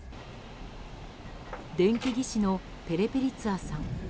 電気技師のペレペリツゥアさん。